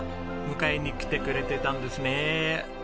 迎えに来てくれてたんですね。